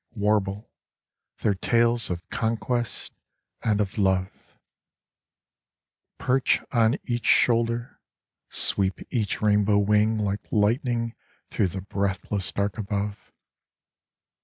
Warble their tales of conquest and of love ; Perch on each shoulder ; sweep each rainbow wing Like lightning through the breathless dark above.